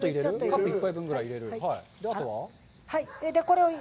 カップ１杯分ぐらい入れる？